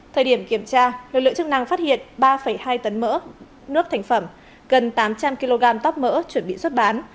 thời điểm kiểm tra lực lượng chức năng phát hiện ba hai tấn mỡ nước thành phẩm gần tám trăm linh kg tóc mỡ chuẩn bị xuất bán